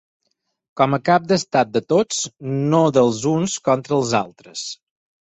Com a cap d’estat de tots, no dels uns contra els altres.